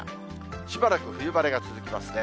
しばらく冬晴れが続きますね。